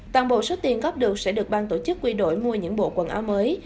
toàn bộ số tiền góp được sẽ được bang tổ chức quy đổi mua những bộ quần áo mới